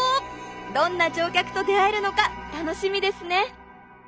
どんな乗客と出会えるのか楽しみですね！